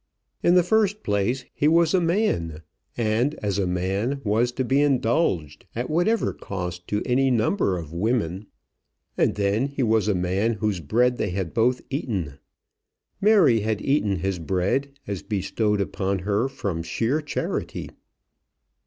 In the first place, he was a man, and as a man, was to be indulged, at whatever cost to any number of women. And then he was a man whose bread they had both eaten. Mary had eaten his bread, as bestowed upon her from sheer charity.